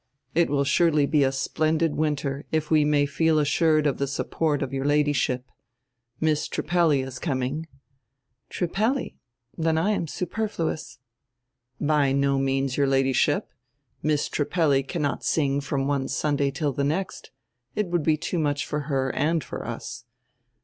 It will surely be a splendid winter if we may feel assured of die support of your Ladyship. Miss Trippelli is coming —" "Trippelli? Then I am superfluous." "By no means, your Ladyship. Miss Trippelli cannot sing from one Sunday till die next; it would be too much for her and for us.